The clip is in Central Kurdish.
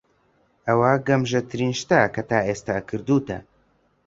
ئەوە گەمژەترین شتە کە تا ئێستا کردووتە.